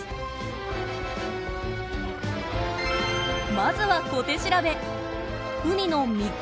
まずは小手調べ。